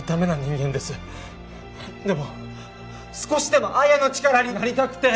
でも少しでも彩矢の力になりたくて！